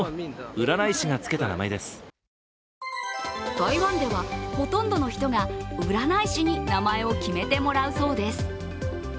台湾ではほとんどの人が占い師に名前を決めてもらうそうです。